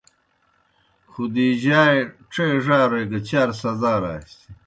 خدیجہؓ اےْ ڇے ڙاروئے گہ چار سزاراسیْ۔